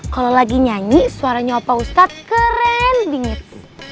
kalau lagi nyanyi suaranya opa ustadz keren bingits